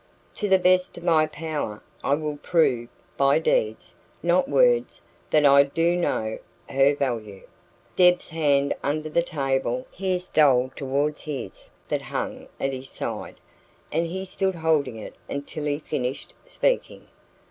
To the best of my power I will prove by deeds, not words that I do know her value." Deb's hand under the table here stole towards his that hung at his side, and he stood holding it until he finished speaking.